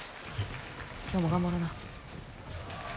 今日も頑張ろな。